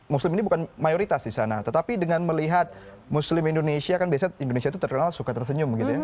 muslim ini bukan mayoritas di sana tetapi dengan melihat muslim indonesia kan biasanya indonesia itu terkenal suka tersenyum gitu ya